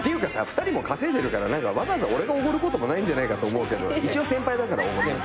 ２人も稼いでるからわざわざ俺がおごることもないんじゃないかと思うけど一応先輩だからおごります。